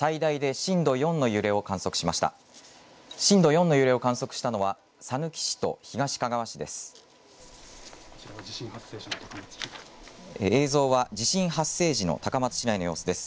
震度４の揺れを観測したのはさぬき市と東かがわ市です。